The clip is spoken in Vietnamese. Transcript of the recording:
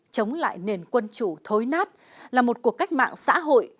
chống lại nền quân chủ thối nát là một cuộc cách mạng xã hội